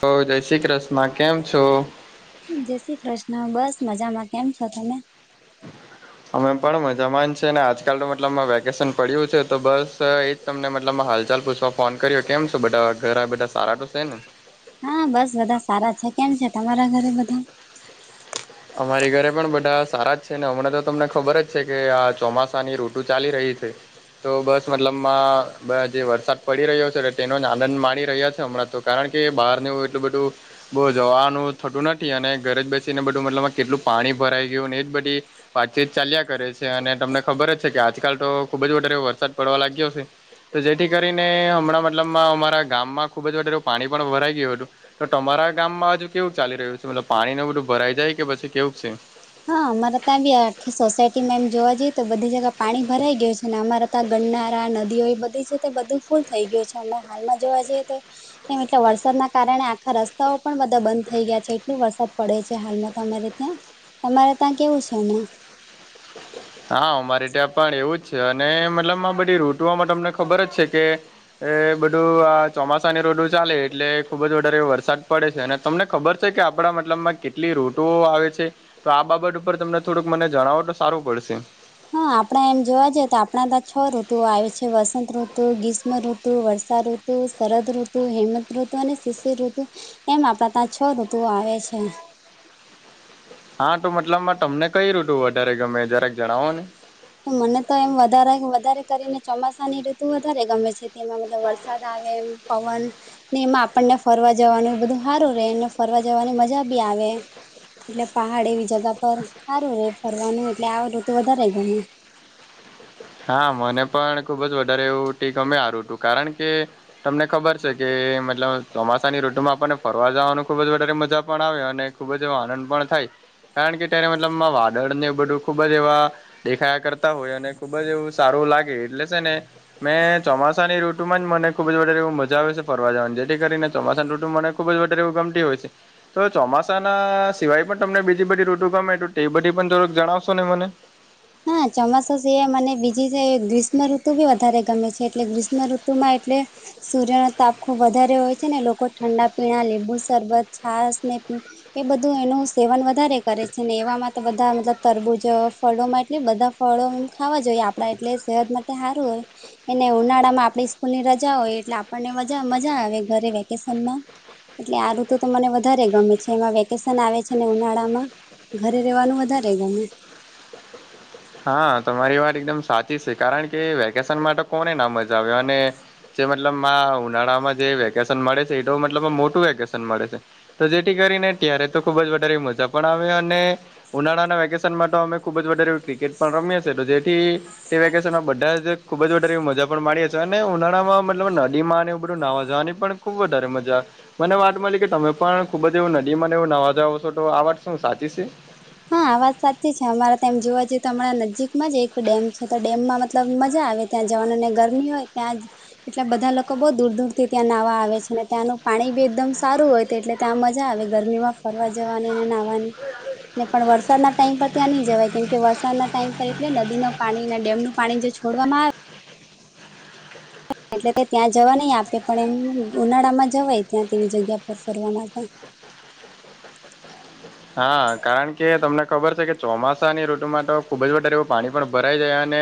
હ જય શ્રી કૃષ્મા કેમ છો જય શ્રી કૃષ્ણ બસ મજામાં કેમ છો તમે અમે પણ મજામાં છે ને આજકાલ તો મતલબ વેકેશન પડ્યું છે તો બસ એ તમને મતલબમાં હાલચાલ પૂછવા ફોન કર્યો કેમ છો બધા ઘરા બધા સારા તો છે ને હા બસ બધા સારા છે કેમ છે તમારા ઘરે બધા અમારી ઘરે પણ બધા સારા જ છે ને હમણાં તો તમને ખબર જ છે કે આ ચોમાસાની ઋતુ ચાલી રહી છે. તો બસ મતલબમાં બ જે વરસાદ પડી રહ્યો છે તેનો જ આનંદ માણી રહ્યા છે હમણાં તો કારણ કે બહાર એવું એટલું બધું બોવ જવાનું થતું નથી અને ઘરે જ બેસીને બધું તો મતલબમાં કેટલું પાણી ભરાઈ ગયું ને એ જ બધી વાતચીત ચાલ્યા કરે છે અને તમને ખબર જ છે કે આજકાલ તો ખુબ જ વધારે વરસાદ પડવા લાગ્યો છે. તો જેથી કરીને હમણાં મતલબમાં અમારા ગામમાં ખુબ જ વધે પાણી પણ ભરાઈ ગયું હતું. તો તમારા ગામમાં હજુ કેવું ચાલી રહ્યું છે મતલબ પાણી ન બધું ભરાઈ જાય કે પછી કેવું છે? હા અમારે ત્યાં બી આખી સોસાયટીમાં એમ જોવા જઈએ તો બધી જગ્યા પાણી ભરાઈ ગયું છે. અને અમારા ત્યાં ગરનારા નદીઓ એ બધી છે તે બધું ફૂલ થઈ ગયું છેમ હાલમાં જોવા જઈએ તો તેમ એટલે વરસાદના કારણે આખા રસ્તાઓ પણ બધા બંધ થઈ ગયા છે એટલું વરસાદ પડે છે હાલમાં તમારે ત્યાં તમારે ત્યાં કેવું છે હમણાં? હા અમારે ત્યાં પણ એવું જ છે અને મતલબ આ બધી ઋતુઓમાં તમને ખબર જ છે કે એ બધું આ ચોમાસાની ઋતુ ચાલે એટલે ખુબ જ વધારે વરસાદ પડે છે અને તમને ખબર છે કે આપડા મતલબમાં કેટલી ઋતુઓ આવે છે. તો આ બાબત ઉપર તમને થોડુંક મને જણાવો તો સારું પડશે. હા આપણા એમ જોવા જઈએ તો આપણા ત છ ઋતુ આવે છે વસંત ઋતુ ગ્રીષમ ઋતુ વર્ષાઋતુ ઋતુ શરદઋતુ હેમતઋતુ અને શિષિરઋતુ એમ આપડા ત્યાં છ ઋતુઓ આવે છે. હા તો મતલબ તમને કઈ ઋતુ વધારે ગમે જરાક જણાવો ને. તો મને તો એમ વધારે વધારે કરીને ચોમાસા ની ઋતુ વધારે ગમે છે. તેમાં મતલબ વરસાદ આવે એમ પવન ને એમાં આપણને ફરવા જવાનું એ બધું સારું રહેે ને ફરવા જવાની મજા બી આવે એટલે પહાડ એવી જગા પર સારું રે ફરવાનું એટલે આવું તો વધારે ગમે હા મને પણ ખુબ જ વધારે એવું ટી ગમે હારું હતું કારણ કે તમને ખબર છે કે મતલબ ચોમાસાની ઋતુમાં આપણને ફરવા જવાનું ખુબ જ વધારે મજા પણ આવે અને ખુબ જ એવો આનંદ પણ થાય. કારણ કે ત્યારે મતલબમાં વાદળને એવું બધું ખુબ જ એવા દેખાયા કરતા હોય અને ખુબ જ એવું સારું લાગે એટલે છે ને મેં ચોમાસાની ઋતુમાં જ મને ખુબ જ વધારે એવુ મજા આવે છે ફરવા જવાની જેથી કરીને ચોમાસાની ઋતુ મને ખુબ જ વધારે એવું ગમતી હોય છે. તો ચોમાસાના સિવાય પણ તમને બીજી બધી ઋતુ ગમે તો એ બધી પણ થોડક જણાવશો ને મને. હા ચોમાસા છે એ મને બીજી છે ગ્રીષ્મઋતુ બી વધારે ગમે છે એટલે ગ્રીષ્મઋતુમાં એટલે સૂર્ય ન તાપ ખુબ વધારે હોય છે ને લોકો ઠંડા પીણા લીંબુ શરબત છાસ ને એ બધું એનું સેવન વધારે કરે છે ને એવામાં તો બધા મતલબ તરબૂજ ફળો માટે એટ બધા ફળો ખાવા જોઈએ આપણા એટલે સેહત માટે સારું હોય. અનેને ઉનાળા માં આપણી સ્કૂલ ની રજા હોય એટલે આપણને મજા મજા આવે ઘરે વેકેશનમાં. એટલે આ ઋતુ તો મને વધારે ગમે છે એમાં વેકેશન આવે છે ને ઉનાળામાં ઘરે રેવાનું વધારે ગમે. હા તમારી વાત એકદમ સાચી છે કારણ કે વેકેશન માટે કોને ના મજા આવ્યો અને મતલબ ઉનાળામાં જે વેકેશન મળે છે એ તો મતલબ મોટું વેકેશન મળે છે. તો જેથી કરીને ત્યારે તો ખુબ જ વધારે મજા પણ આવે અને ઉનાળાના વેકેશનમાં તો અમે ખુબ જ વધારે ક્રિકેટ પણ રમીએ છે તો જેથી તે વેકેશનમાં બધા જ ખુબ વધારે મજા પણ માડી છે અને ઉનાળામાં મતલબ નદીમાં અને એવ બધું નાવા જવાની પણ ખૂબ વધારે મજા મને વાત મળી કે તમે પણ ખુબ જ એવું નદીમાને એવું નાવા જાવ છો તો આ વાત શું સાચી છે? હા આ વાત સાચી છે અમારે ત જોવા જઈએ તો હમણાં નજીકમાં જ એક ડેમ છે તો ડેમમાં મતલબ મજા આવે ત્યાં જવાનું ને ગરમી હોય ત્યાંજ એટલે બધા લોકો બોવ દૂર દૂર થી ત્યાં નાહવા આવે છે અને ત્યાંનું પાણી બી એકદમ સારું હોય. એટલે ત્યાં મજા આવે ગરમીમાં ફરવા જવાની અને નાહવાની. ને પણ વરસાદ ના ટાઈમ પર ત્યાં નહી જવાય. કેમ કે વરસાદ ના ટાઈમ પર એટલે નદી ન પાણી ડેમનું પાણી જે છોડવામાં આવે એટલે તે ત્યાં જવા નહ આપે પણ એમ ઉનાળા માં જવાય ત્યાં તેવી જગ્યા પર ફરવા માટે. હા કારણ કે તમને ખબર છે કે ચોમાસાની ઋતુમાં તો ખુબ જ વધારે એવું પાણી પણ ભરાઈ જાય અને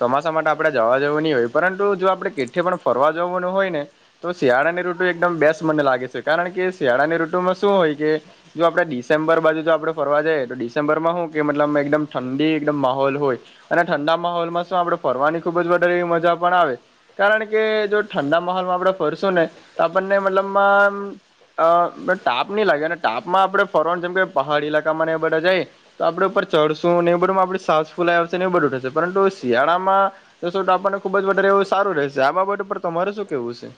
ચોમાસા માટે આપડે જવા જવું નહી હોય પરંતુ જો આપણે કેઠે પણ ફરવા જવાનું હોય ને તો શિયાળાની ઋતુ એકદમ બેસ્ટ મને લાગે છે કારણ કે શિયાળાની ઋતુમાં શું હોય કે જો આપડા દીશ ડિસેમ્બર બાજુ જો આપણે ફરવા જઈએ તો ડિસેમ્બરમાં શું કે મતલબ એકદમ ઠંડી એકદમ માહોલ હોય. અને ઠંડા માહોલમાં શું આપડણે ફરવાની ખુબ જ વધારે એવી મજા પણ આવે. કારણ કે જો ઠંડા માહોલમાં આપડે ફરશું ને તો આપણને મતલબમાં અ તાપ ની લાગે અને તાપમાં આપડે ફરવાન જેમ કે પહાડી લાકામાં એ બધે જાય તો આપડે ઉપર ચઢશું એ બધુંમાં આપ સાસ ફૂલા આવશે ને એ બધું થશે પરંતુ શિયાળામાં તો શો તો આપણને ખુબ જ વધારે એવું સારું રહેશે આ બાબત ઉપ તમારે શું કેવું છે?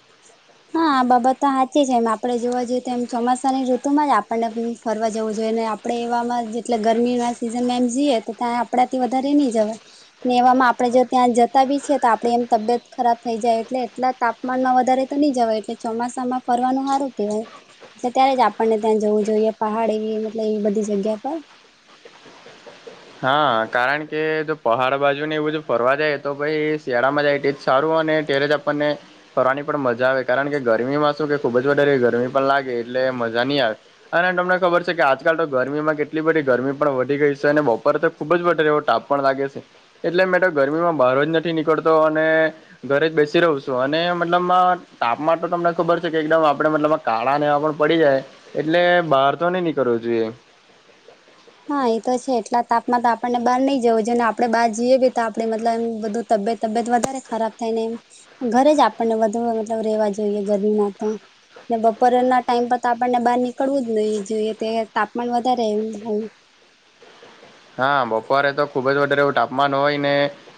હા આ બાબત તો સાચી છે એમ આપડે જોવા જઈએ તો એમ ચોમાસાની ઋતુમાં જ આપણને ફરવા જવું જોઈએ ને આપણે એવામાં જેટલે ગરમીના સીઝનમાં એમ જઈએ તો ત્યાં આપણાથી વધારે નહી જવાય. નેવામાં આપણેે જો ત્યાં જતા બી છે તો આપે એમ તબિયત ખરાબ થઈ જાય એટલે એટલા તાપમાનમાં વધારે તો ન જવાય એટલે ચોમાસામાં ફરવાનું સારું કેહેવાય. એટલે ત્યારે જ આપણને ત્યાં જવું જોઈએ પહાડ એવી મતલ એવી બધી જગ્યા પર હા કારણ કે જો પહાડ બાજુ ને એવું જો ફરવા જાય તો ભાઈ શિયાળામાં જાય સારું અને ત્યારે જ આપણને. ફરની પણ મજા આવે કારણ કે ગરમીમાં શું કે ખુબ જ વધારે ગરમી પણ લાગે એટલે મજા નહી આવે. અને તમને ખબર છે કે આજકાલ તો ગરમીમાં કેટલી બધી ગરમી પણ વધી ગઈ છે અને બ પર તો ખૂબ જ વરે એવો ટાપ પણ લાગે છે એટલે મેડો ગરમીમાં બહાર જ નથી નીકળતો અને ઘરે જ બેસી રહવ છું અને મતલબ તાપમાન તો તમને ખબર છે કે એકદમ આપડે મતલબમા. કાળા એવા પણ પડી જાય એટલે બહાર તો નઈ નીકળવું જોઈએ. હા એ તો છે એટલા તાપમાન આપણને બહાર નહી જવું જોને આપણે બહાર જઈએ બી તો આપડે મતલબ એમ બધું. તબિયત તબિયત વધારે ખરાબ થાય ને એમ. ઘરે જ આપણને વધુમા વધુ મતલબ રહેેવા જોઈએ ગરમીમાં તો. ને બપોરના ટાઈમ પર તો આપણને બહાર નીકળવું જ નહી જોઈએ તે તાપમાન વધારે એમ હોય. હા બપોરે તો ખુબ જ વધારે એવું તાપમાન હોય ને.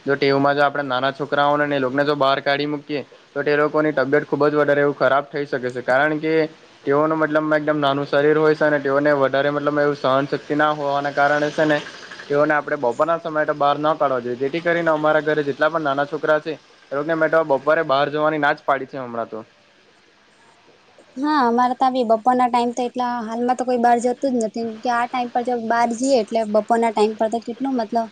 જો ટેવમાં જો આપણે નાના છોકરાઓ ને એને જો બહાર કાઢી મૂકીએ. તો તે લોકોની તબિયત ખુબ જ વધારે એવું ખરાબ થઈ શકે છે કારણ કે તેઓનું મતલબ એકદમ નાનું શરીર હોય સે ને તેઓને વધારે મતલબ એવું સહનશક્તિ ના હોવાના કારણે સે ને તેઓને આપણે બપોરના સમયે તો બહાર ના કાઢવા જોઈએ જેથી કરીને અમારા ઘરે જેટલા પણ નાના છોકરા છે. એ લોકોને મે તો બપોરે બહાર જવાની ના જ પાડી છે હમણાં તો. હા અમારે તા બી બપોર ના ટાઈમ તો એટલા હાલમાં તો કોઈ બહાર જતું જ નથી કે આ ટાઈમ પર જબ બહાર જઈએ એટલે બપોરના ટાઈમ પર તો કેટલું મતલબ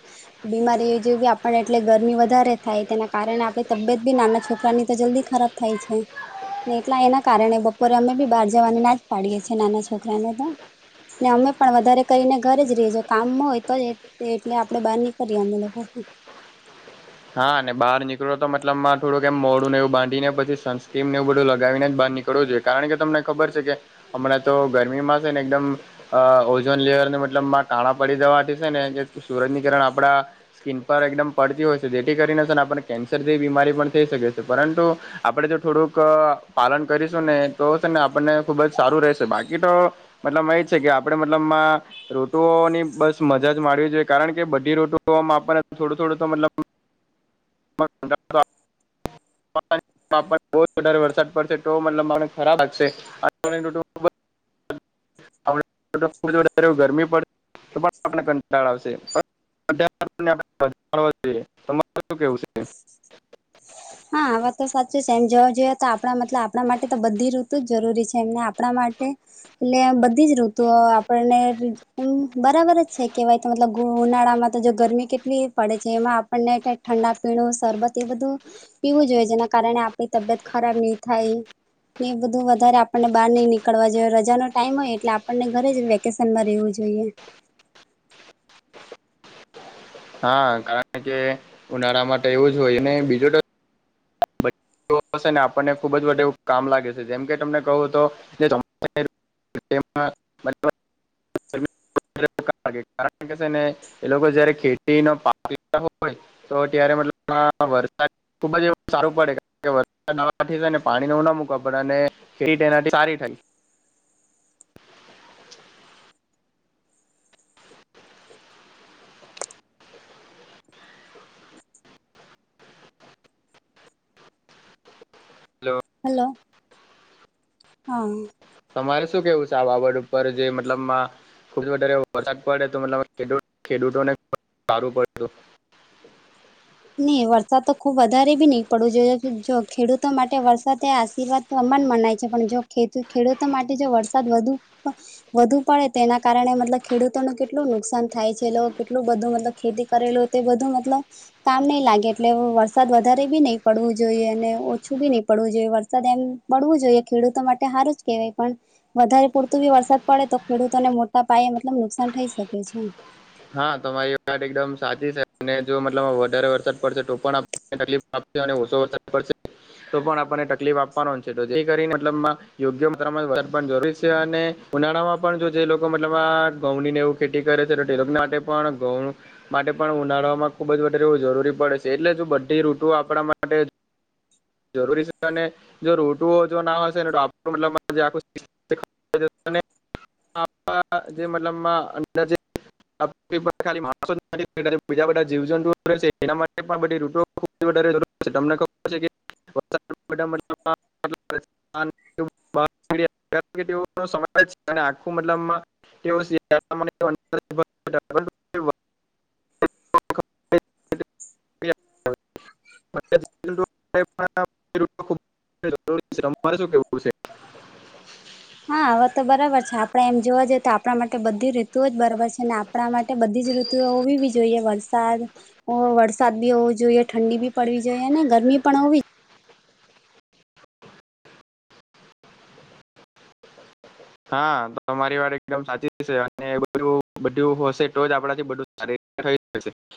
બીમારી જેવી આપને એટલે ગરમી વધારે થાય તેના કારણે આપણેે તબિયત બી નાના છોકરાની તો જલ્દી ખરાબ થાય છે ને એટલા એના કારણે બપ બપોરે અમે બી બાર જવાની ના જ પાડીએ છીએ નાના છોકરાને તો. ને અમે પણ વધારે કરીને ઘરે જ રહીજ કામમાં હોય તો જ. એટલે આપડે બહાર નીકરીએ અમે લોકો. હા ને બાર નીકળો તો મતલબમાં થોડું કેમ મોડું નેવું બાંધીને પછી સનસ્ક્રીમ નેવું બધું લગીને બહાર નીકળ નીકળવું જોઈએ કારણ કે તમને ખબર છે કે હમણાં તો ગરમીમાં છે ને એકદમ અ ઓઝોન લેયરને મતલબ માં કાણા પડી દેવાથી છે ને સુરજની કિરણ આપડા સ્કીિન પર એકદમ પડતી હોય છે જેથી કરીને સર આપને કેન્સર જેવી બીમારી પણ થઈ શકે છે પરંતુ આપડે જો થોડુંક પાલન કરીશું ને તો છે ને આપણને ખુબ જ સારું રહેશે બાકી તો. મતલબ એ છે કે આપડે મતલબમાં. ઋતુઓની બસ મજા જ માડવી જોઈએ કારણ કે બધી રોટુઓમાં આપણને થોડું થોડું તો મતલબ. [unintelligible] [unintelligible] બોજ વધારે વરસાદ પડશે તો મતલબ મને ખરાબ લાગશે. આ. [unintelligible] [unintelligible] કંટાળ આવશે. [unintelligible] તમારે શું કેવું છે હા આ વાત તો સાચી છે એમ જવા જોઈએ તો આપણા મતલબ આપણા માટે તો બધી ઋતુ જરૂરી છે એમને આપણા માટે એટલે બધી જ ઋતુઓ આપણને બરાબર જ છે, કેવાય મતલબ ઉનાળામાં તો જો ગરમી કેટલી પડે છે એમાં આપણને ક ઠંડા પીણું શરબત એ બધું. પીવું જોઈએ જેના કારણે આપણી તબિયત ખરાબ નહી થાય. ને એ બધું વધારે આપણને બહાર નઈ નીકળવા જો રજા નો ટાઈમ હોય એટલે આપણને ઘરે જ વ વકેશનમાં રહેવું જોઈએ. હા કારણ કે ઉનાળા મા તો એવું જ હોય અને બીજું તો હશે ને આપણને ખુબ જ વે એવું કામ લાગે છે જેમ કે તમને કહું તો [unintelligible] માં [unintelligible] [inaudible] [unintelligible] કારણ કે છે ને એલોકો જ્યારે ખેતીનો પાક વેચતા હોય તો ત્યારે મતલબમાં વરસાદ ખુબ જ એવું સારું પડે કારણ વરસાદ આવવા થી સેને પાણી ન એવુ ન મુકવા પડે અને ખેતી તેનાથી સારી ઠાઈ. હલો. હલો. હા. તમારે શું કેવું છે આ બાબત ઉપર જે મતલબમાં ખુબ વધારે વરસાદ પડે તો મતલબ ખેડૂતોને સારું પડે. ની વરસાદ તો ખુબ વધારે ભી નહી પડવું જોઈએ જો ખેડૂતો માટે વરસાદ એ આશીર્વાદ સમાન મનાય છે પણ જો ખે ખેડૂતો માટે જો વરસાદ વધુ વધુ પડે તેના કારણે મતલબ ખેડૂતોને કેટલું નુકસાન થાય છે કેટલું બધું મતલબ ખેતી કરેલું તે બધું મતલબ કામ નહીં લાગે એટલે વરસાદ વધારે બી નહી પડવું જોઈએ અને ઓછું બી નહી પડવું જોઈએ વરસાદ એમ પડવું જોઈએ ખેડૂતો માટે હારું જ કહેવાય પણ વધારે પૂરતું બી વરસાદ પડે તો ખેડૂતોને મોટા પાયે મતલબ નુકસાન થઈ શકે છે એમ. હા તમારી વાત એકદમ સાચી છે અને જો મતલબ વધારે વરસાદ પડશે તો પણ તકલીફ આપશે અને ઓછો વરસાદ પડશે તો પણ આપણને તકલીફ આપવાનો છે જેથી કરીને મતલબ મા યોગ્ય માત્રામાં વરસાદ પણ જરૂરી છે અને ઉનાળામાં પણ જો જે લોકો મતલબ આ ઘઉંની ને એવું ખેતી કરે છે તિલક નાટ્ય પણ ગઉનું માટે પણ ઉનાળાવામાં ખુબ જ વધારે એવું જરૂરી પડે છે એટલે છે બધી ઋતુઓ આપણા માટે જરૂરી છે અને જો રોટુઓ જો ના હોય છે આખું મતલબમાં [unintelligible] [unintelligible] જે મતલબમાં નજીક [inaudible] ખાલી માણસો બીજા બધા જીવ જંતુઓ રહે છે એના માટે પણ બધી રૂટોઓ ખૂબ વધારે જરૂર તમને ખબર છે કે [unintelligible] તેઓનો [unintelligible] આખું મતલબમાં તેઓ [unintelligible] [unintelligible] [inaudible] અત્યારે [unintelligible] રી અમારે શું કેવું છે. હા હવે તો બરાબર છે આપણેે એમ જોવા જઈએ તો આપણા માટે બધી ઋતુ જ બરાબર છે ને આપ આપણા માટે બધી જ ઋતુ હોવી જોઈએ વરસાદ ઓ વરસાદ બી હોવો જોઈએ, ઠંડી બી પડવી જોઈએ ને ગરમી પણ હોવી હા તો તમારી વાત એકદમ સાચીશે અને બધું બધું હશે તો જ આપડાથી બધું. [unintelligible]